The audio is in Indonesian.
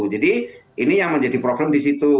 jadi ini yang menjadi problem di situ